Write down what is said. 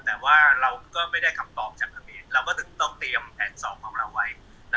แต่ว่าเราก็ไม่ได้คำตอบจากทะเบียนเราก็ถึงต้องเตรียมแผนสอบของเราไว้